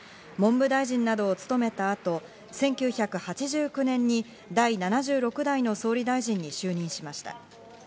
文部大臣などをつとめた後、１９８９年に第７６代の総理大臣に就任しました。